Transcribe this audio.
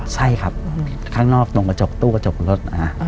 ใช่ครับข้างนอกตรงกระจกตู้กระจกรถ